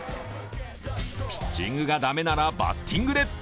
ピッチングが駄目ならバッティングで。